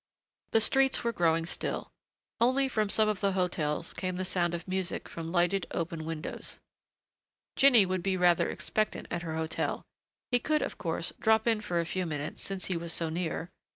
The streets were growing still. Only from some of the hotels came the sound of music from lighted, open windows. Jinny would be rather expectant at her hotel. He could, of course, drop in for a few minutes since he was so near....